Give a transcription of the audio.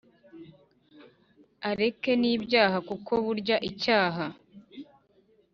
areke nibyaha kuko burya icyaha